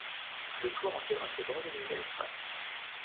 Le toit en terrasse est bordé d’une balustrade.